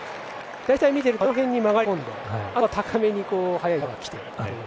大体、見ているとあの辺に曲がり込んであとは高めに速い球がきてという。